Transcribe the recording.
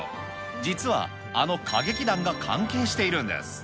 実はあの歌劇団が関係しているんです。